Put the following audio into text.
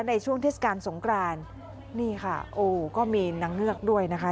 ในช่วงเทศกาลสงครานนี่ค่ะโอ้ก็มีนางเงือกด้วยนะคะ